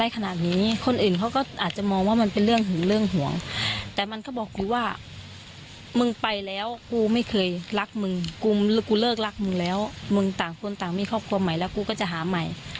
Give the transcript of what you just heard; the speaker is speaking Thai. ขอบคุมใหม่แล้วกูก็จะหาใหม่